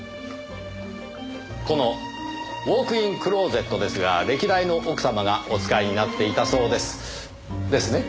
このウォークインクローゼットですが歴代の奥様がお使いになっていたそうです。ですね？